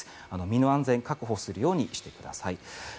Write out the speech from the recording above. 身の安全を確保するようにしてください。